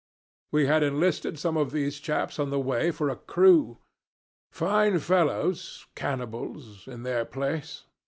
We had enlisted some of these chaps on the way for a crew. Fine fellows cannibals in their place.